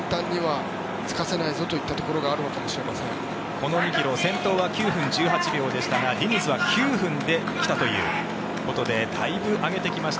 この２ｋｍを先頭は９分１８秒でしたがディニズは９分で来たということでだいぶ上げてきました。